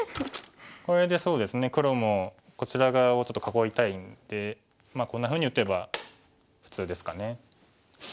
これでそうですね黒もこちら側をちょっと囲いたいんでこんなふうに打てば普通ですかね。